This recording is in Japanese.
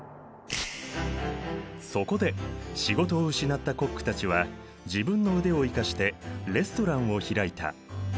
そこで仕事を失ったコックたちは自分の腕を生かしてレストランを開いた。